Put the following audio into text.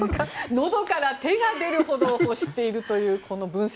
のどから手が出るほど欲しているという分析。